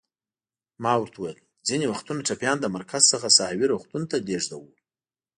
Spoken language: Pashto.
ما ورته وویل: ځینې وختونه ټپیان له مرکز څخه ساحوي روغتون ته لېږدوو.